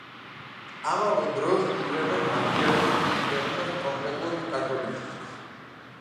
ამავე დროს იღებენ მადიარები ქრისტიანობას, კონკრეტულად კი, კათოლიციზმს.